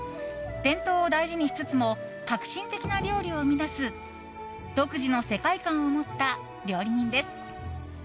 伝統を大事にしつつも革新的な料理を生み出す独自の世界観を持った料理人です。